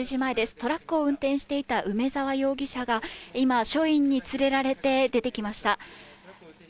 トラックを運転していた梅沢容疑者が、今、署員に連れられて出てきました。